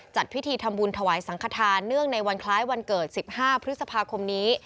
จัดพิธีทำบุญถวายสังขทานเนื่องในวันคล้ายวันเกิด๑๕พฤษภาคมนี้